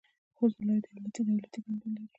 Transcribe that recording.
خوست ولایت یو دولتي پوهنتون لري.